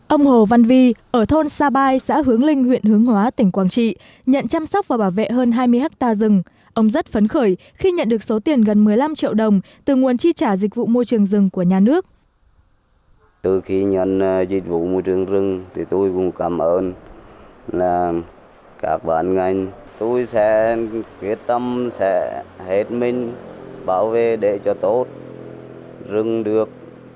ông hồ văn vi ở thôn sa bai xã hướng linh huyện hướng hóa tỉnh quảng trị nhận chăm sóc và bảo vệ hơn hai mươi ha rừng ông rất phấn khởi khi nhận được số tiền gần một mươi năm triệu đồng từ nguồn chi trả dịch vụ môi trường rừng của nhà nước